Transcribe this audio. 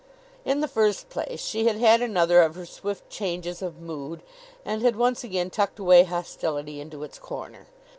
In the first place, she had had another of her swift changes of mood, and had once again tucked away hostility into its corner.